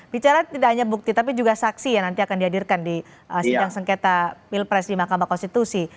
bicara tidak hanya bukti tapi juga saksi yang nanti akan dihadirkan di sidang sengketa pilpres di mahkamah konstitusi